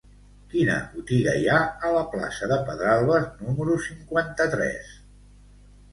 Quina botiga hi ha a la plaça de Pedralbes número cinquanta-tres?